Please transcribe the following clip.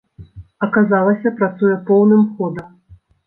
Аказалася, працуе поўным ходам.